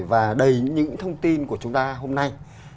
và đầy những thông tin của chúng ta hôm nay